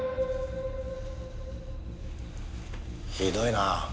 ひどいな。